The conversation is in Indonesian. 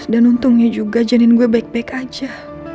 dan untungnya juga janin gue baik baik aja